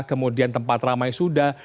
kemudian tempat ramai sudah